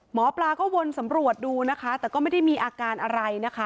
หมอปลาก็วนสำรวจดูนะคะแต่ก็ไม่ได้มีอาการอะไรนะคะ